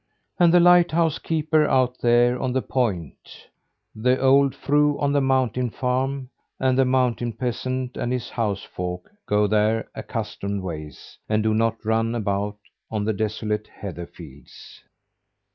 And the lighthouse keeper out there on the point; the old fru on the mountain farm, and the mountain peasant and his house folk go their accustomed ways, and do not run about on the desolate heather fields.